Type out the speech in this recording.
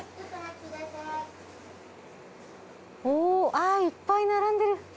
ああいっぱい並んでる。